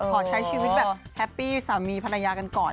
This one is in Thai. ขอใช้ชีวิตแบบแฮปปี้สามีภรรยากันก่อน